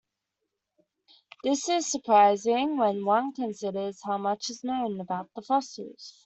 This is surprising when one considers how much is known about the fossils.